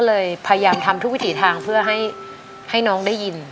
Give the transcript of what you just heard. เลยพยายามทำทุกวิถีทางเพื่อให้น้องได้ยิน